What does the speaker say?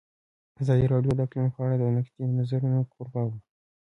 ازادي راډیو د اقلیم په اړه د نقدي نظرونو کوربه وه.